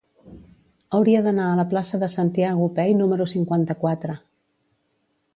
Hauria d'anar a la plaça de Santiago Pey número cinquanta-quatre.